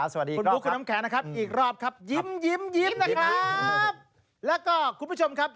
สวัสดีครับครับอีกรอบครับยิ้มนะครับแล้วก็คุณผู้ชมครับ